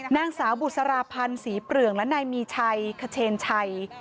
นางสาวบุษราพันธ์ศรีเปลืองและนายมีชัยขเชนชัย